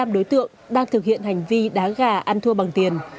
bốn mươi năm đối tượng đang thực hiện hành vi đá gà ăn thua bằng tiền